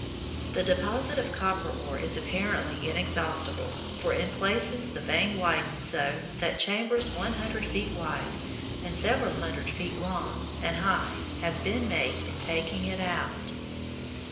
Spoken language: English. The deposit of copper ore is apparently inexhaustible, for in places the vein widens so that chambers one hundred feet wide and several hundred feet long and high have been made in taking it out.